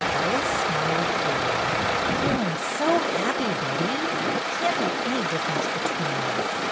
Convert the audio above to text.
Lois smiled gayly. "Oh, I 'm so happy, Betty. It can't make any difference between us.